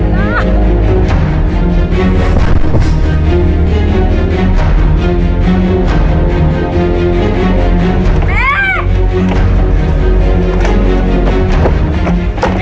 พีค